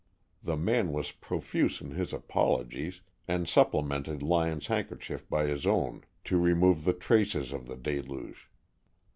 The man was profuse in his apologies, and supplemented Lyon's handkerchief by his own to remove the traces of the deluge.